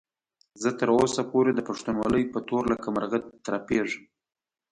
زه تر اوسه پورې د پښتونولۍ په تور لکه مرغه ترپېږم.